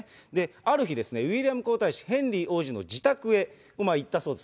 ある日、ウィリアム皇太子、ヘンリー王子の自宅に行ったそうです。